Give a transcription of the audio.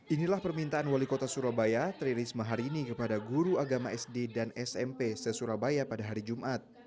inilah permintaan wali kota surabaya tri risma hari ini kepada guru agama sd dan smp se surabaya pada hari jumat